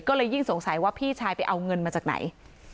ก็เลยยิ่งสงสัยว่าพี่ชายไปเอาเงินมาจากไหน